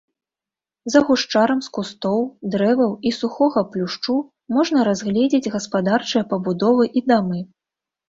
За гушчарам з кустоў, дрэваў і сухога плюшчу можна разгледзець гаспадарчыя пабудовы і дамы.